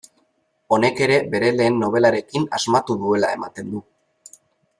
Honek ere bere lehen nobelarekin asmatu duela ematen du.